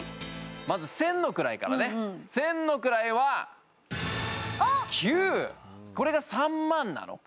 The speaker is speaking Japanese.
まず千の位からね千の位は９これが３万なのか？